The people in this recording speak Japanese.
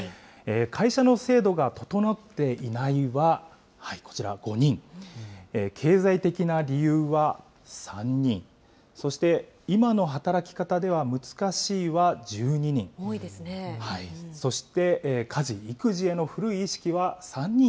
会社の制度が整っていないは、こちら５人、経済的な理由は３人、そして今の働き方では難しいは１２人。